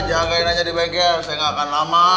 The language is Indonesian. jagain aja di bengkel saya nggak akan lama